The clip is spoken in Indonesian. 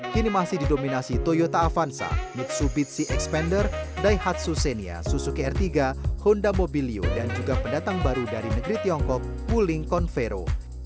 kini masih didominasi toyota avanza mitsubitsi expander daihatsu venia suzuki r tiga honda mobilio dan juga pendatang baru dari negeri tiongkok wuling convero